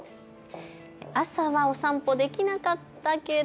朝はお散歩できなかったけど。